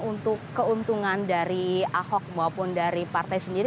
untuk keuntungan dari ahok maupun dari partai sendiri